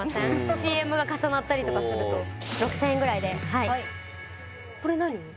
ＣＭが重なったりとかするとそう６０００円ぐらいではいはいこれ何？